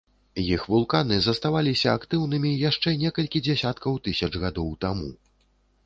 Іх вулканы заставаліся актыўнымі яшчэ некалькі дзясяткаў тысяч гадоў таму.